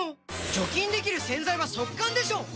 除菌できる洗剤は速乾でしょ！